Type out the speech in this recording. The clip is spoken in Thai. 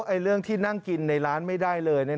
เรื่องที่นั่งกินในร้านไม่ได้เลย